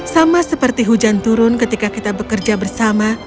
sama seperti hujan turun ketika kita bekerja bersama